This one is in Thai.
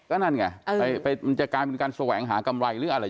ก็นั่นไงมันจะกลายเป็นการแสวงหากำไรหรืออะไร